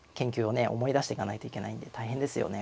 思い出していかないといけないんで大変ですよね